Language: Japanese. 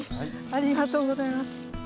ありがとうございます。